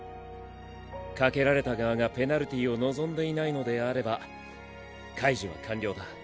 かけられた側がペナルティーを望んでいないのであれば解呪は完了だ。